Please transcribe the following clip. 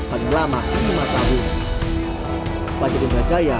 panjang lama lima tahun